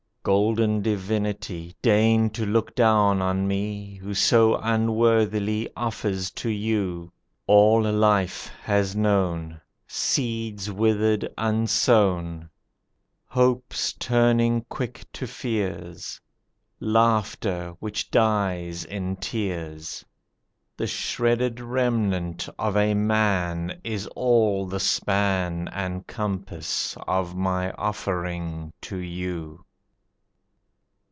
Golden Divinity, Deign to look down on me Who so unworthily Offers to you: All life has known, Seeds withered unsown, Hopes turning quick to fears, Laughter which dies in tears. The shredded remnant of a man Is all the span And compass of my offering to you.